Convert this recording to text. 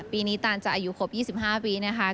ปีนี้ตานจะอายุครบ๒๕ปีนะคะ